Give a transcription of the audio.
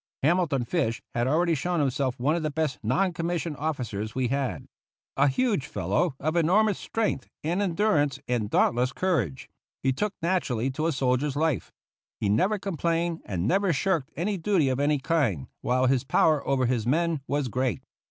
Hamilton Fish had already shown himself one of the best non commissioned officers we had. A huge fellow, of enormous strength and endurance and dauntless courage, he took naturally to a soldier's life. He never complained and never shirked any duty of any kind, while his power over his men was great.